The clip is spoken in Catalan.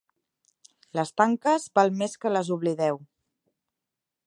Les tanques val més que les oblideu.